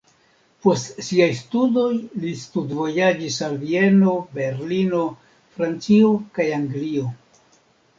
Post siaj studoj li studvojaĝis al Vieno, Berlino, Francio kaj Anglio.